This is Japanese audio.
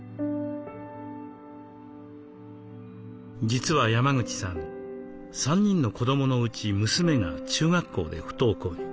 実は山口さん３人の子どものうち娘が中学校で不登校に。